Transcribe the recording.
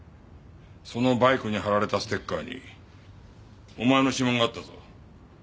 そのバイクに貼られたステッカーにお前の指紋があったぞ。